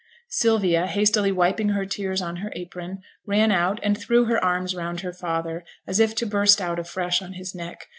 Sylvia, hastily wiping her tears on her apron, ran out and threw her arms round her father, as if to burst out afresh on his neck.